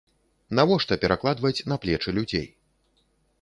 Навошта перакладваць на плечы людзей.